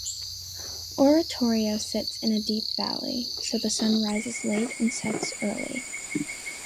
Oratorio sits in a deep valley, so the sun rises late and sets early.